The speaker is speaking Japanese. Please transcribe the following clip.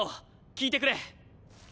聞いてくれ。